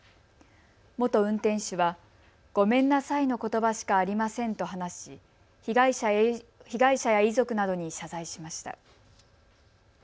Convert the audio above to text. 元運転手はごめんなさいのことばしかありませんと話し被害者や遺族などに謝罪しました。